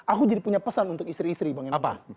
aku jadi punya pesan untuk istri istri bang elpa